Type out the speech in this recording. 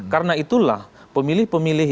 karena itulah pemilih pemilih